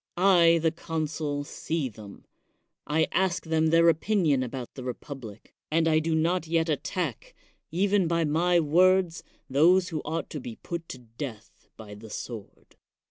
I, the consul, see them ; I ask them their opinion about the republic, and I do not yet attack, t;ven 98 CICERO by words, those who ought to be put to death by the sword.